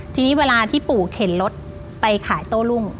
ทีนี้เวลาที่ปู่เข็นรถไปขายโต้รุ่ง